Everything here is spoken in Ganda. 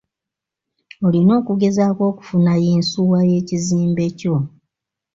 Olina okugezaako okufuna yinsuwa y'ekizimbe kyo.